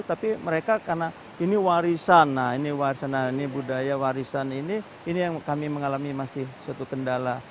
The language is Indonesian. tapi mereka karena ini warisan nah ini warisan ini budaya warisan ini ini yang kami mengalami masih suatu kendala